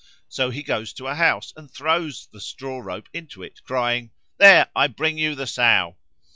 So he goes to a house and throws the straw rope into it, crying, "There, I bring you the Sow."